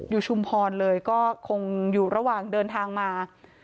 ชุมพรเลยก็คงอยู่ระหว่างเดินทางมา